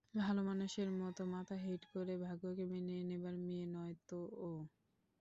ভালোমানুষের মতো মাথা হেঁট করে ভাগ্যকে মেনে নেবার মেয়ে নয় ও তো।